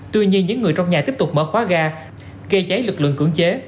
tuy nhiên những người trong nhà tiếp tục mở khóa ga gây cháy lực lượng cưỡng chế